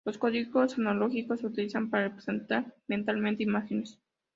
Los códigos analógicos se utilizan para representar mentalmente imágenes.